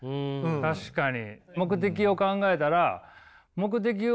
確かに。